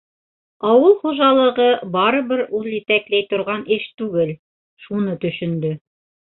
Ауыл хужалығы барыбер ул етәкләй торған эш түгел - шуны төшөндө.